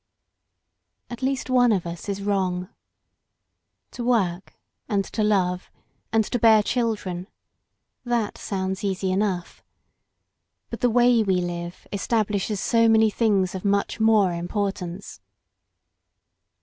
At least one of us is wrong. To work and to love and to bear children. That sounds easy i enough. But the way we live establishes so| many things of much more importance.